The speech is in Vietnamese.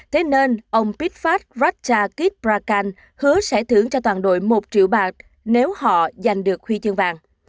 thế nên ông pithfat ratchakitprakarn hứa sẽ thưởng cho toàn đội một triệu baht nếu họ giành được huy chương vàng